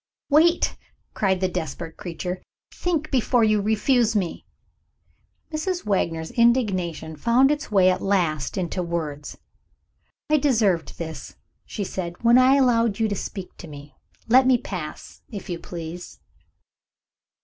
"Wait!" cried the desperate creature. "Think before you refuse me!" Mrs. Wagner's indignation found its way at last into words. "I deserved this," she said, "when I allowed you to speak to me. Let me pass, if you please."